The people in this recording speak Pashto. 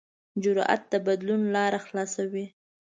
جرأت د بدلون لاره خلاصوي.